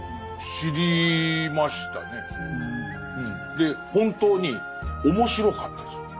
で本当に面白かったです。